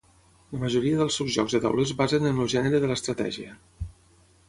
La majoria dels seus jocs de tauler es basen en el gènere de l'estratègia.